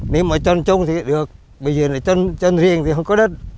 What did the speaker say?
nếu mà trôn trung thì được bây giờ là trôn riêng thì không có đất